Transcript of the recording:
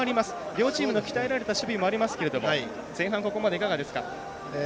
両チームの鍛えられた守備もありますけども前半、ここまでいかがですか？